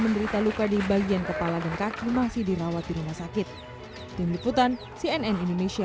menderita luka di bagian kepala dan kaki masih dirawat di rumah sakit tim liputan cnn indonesia